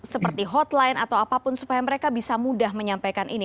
seperti hotline atau apapun supaya mereka bisa mudah menyampaikan ini